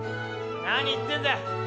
何言ってんだよ。